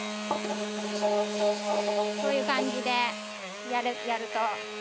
こういう感じでやると。